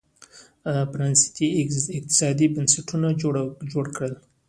پرانېستي اقتصادي بنسټونه جوړ کړل